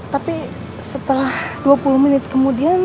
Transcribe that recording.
tapi setelah dua puluh menit kemudian